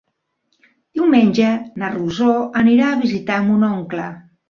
Diumenge na Rosó anirà a visitar mon oncle.